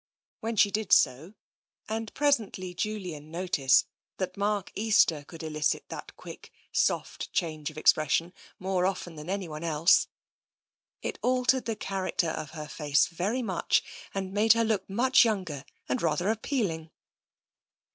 When she did so — and presently Julian noticed that TENSION 47 Mark Easter could elicit that quick, soft change of ex pression more often than anyone else — it altered the character of her face very much, and made her look much younger, and rather appealing.